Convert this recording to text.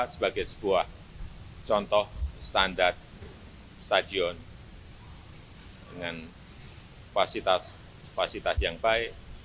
sebagai sebuah contoh standar stadion dengan fasilitas fasilitas yang baik